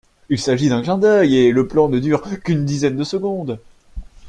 Il s'agit d'un clin d'œil et le plan ne dure qu'une dizaine de secondes.